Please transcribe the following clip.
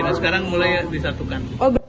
nah sekarang mulai disatukan